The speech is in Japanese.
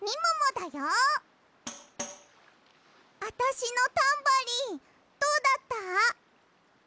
あたしのタンバリンどうだった？